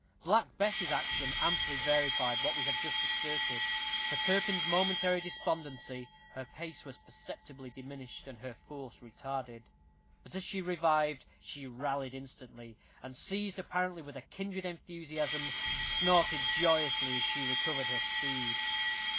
Black Bess's action amply verified what we have just asserted; for during Turpin's momentary despondency, her pace was perceptibly diminished and her force retarded; but as he revived, she rallied instantly, and, seized apparently with a kindred enthusiasm, snorted joyously as she recovered her speed.